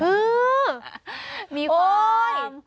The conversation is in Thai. อื้อมีความ